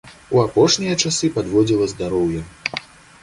У апошнія часы падводзіла здароўе.